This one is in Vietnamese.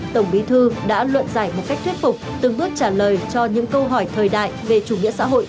tổng bí thư đã luận giải một cách thuyết phục từng bước trả lời cho những câu hỏi thời đại về chủ nghĩa xã hội